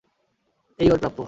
এই ওর প্রাপ্য!